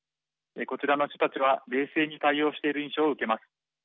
こちらの人たちは冷静に対応している印象を受けます。